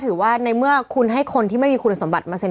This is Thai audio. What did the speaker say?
ถือว่าในเมื่อคุณให้คนที่ไม่มีคุณสมบัติมาเซ็น